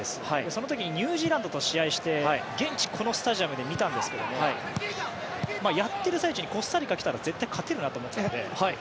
その時にニュージーランドと試合して現地、このスタジアムで見たんですけどやっている最中にコスタリカが来たら絶対勝てるなと思っていたので。